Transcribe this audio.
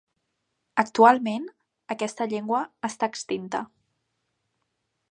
Actualment aquesta llengua està extinta.